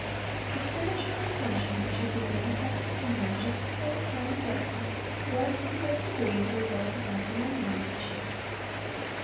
"(376) The spiritual declension which had been manifest in England just before the time of Wesley, was in great degree the result of Antinomian teaching.